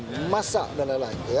memasak dan lain lain